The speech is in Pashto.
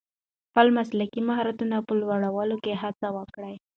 د خپل مسلکي مهارت په لوړولو کې هڅه وکړئ.